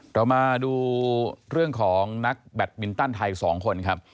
เรามาดูเรื่องของนักแบตมินตันไทย๒คนครับ